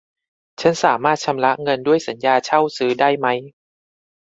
ฉันสามารถชำระเงินด้วยสัญญาเช่าซื้อได้ไหม